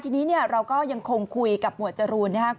ทีนี้เนี่ยเราก็ยังคงคุยกับหมวดจรูนนะครับ